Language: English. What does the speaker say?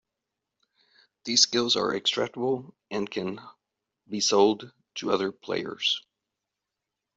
These skills are extractable and can be sold to other players.